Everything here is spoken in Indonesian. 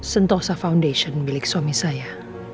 sentosa foundation milik suami saya